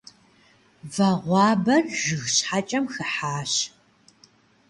Вагъуэбэр жыг щхьэкӏэм хыхьащ.